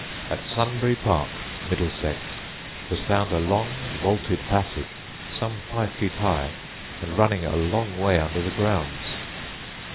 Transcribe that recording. At Sunbury Park, Middlesex, was found a long vaulted passage some five feet high and running a long way under the grounds.